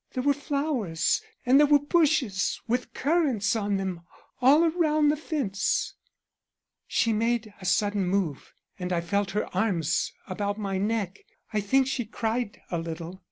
There were flowers and there were bushes with currants on them all round the fence.' "She made a sudden move, and I felt her arms about my neck. I think she cried a little.